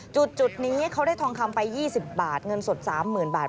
จุดนี้เขาได้ทองคำไป๒๐บาทเงินสด๓๐๐๐บาท